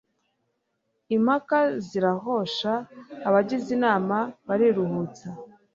Impaka zirahosha, abagize inama bariruhutsa.